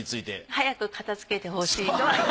早く片づけてほしいとは。